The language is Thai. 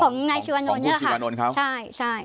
ของนายชีวานนท์เนี้ยแหละค่ะของผู้ชีวานนท์เขาใช่ใช่